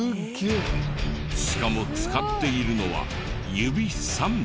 しかも使っているのは指３本。